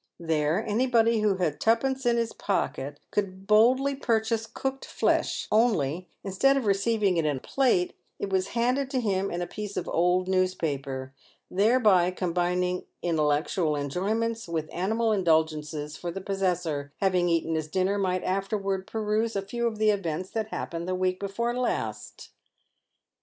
There anybody who had twopence in his pocket could boldly purchase cooked flesh, only, instead of receiving it in a plate, it was handed to him in a piece of old newspaper, thereby combining G 82 PAYED WITH GOLD. intellectual enjoyments with animal indulgences, for the possessor, having eaten his dinner, might afterwards peruse a few of the events that happened the week before last.